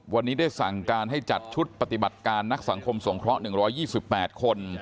วันนี้ได้สั่งการให้จัดชุดปฏิบัติการนักสังคมสงเคราะห์๑๒๘คน